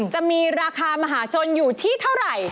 จะมีราคามหาชนอยู่ที่เท่าไหร่